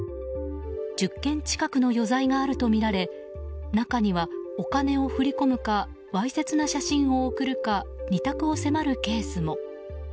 １０件近くの余罪があるとみられ中にはお金を振り込むかわいせつな写真を送るか２択を迫るケースも。